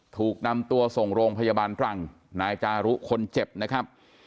ถูกนำตัวส่งโรงพยาบาลตรังนายจารุคนเจ็บนะครับ